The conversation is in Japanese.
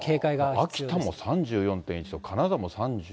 秋田も３４．１度、金沢も３４度。